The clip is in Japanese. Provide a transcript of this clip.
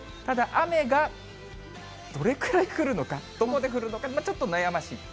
ただ、雨がどれくらい降るのか、どこで降るのか、ちょっと悩ましい。